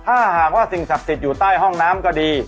หากว่าสิ่งสับสิทธิกดูใต้ห้องน้ำก็ดี